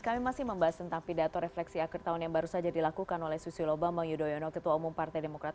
kami masih membahas tentang pidato refleksi akhir tahun yang baru saja dilakukan oleh susilo bambang yudhoyono ketua umum partai demokrat